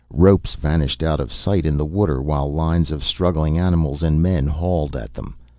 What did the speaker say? Ropes vanished out of sight in the water while lines of struggling animals and men hauled at them.